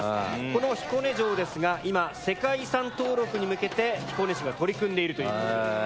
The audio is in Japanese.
この彦根城ですが今世界遺産登録に向けて彦根市が取り組んでいるという事です。